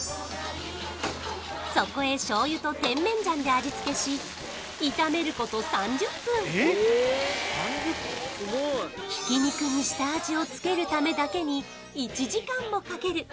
そこへ醤油と甜麺醤で味付けし炒めること３０分挽き肉に下味を付けるためだけに１時間もかける